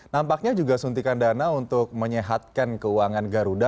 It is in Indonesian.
nampaknya juga suntikan dana untuk menyehatkan keuangan garuda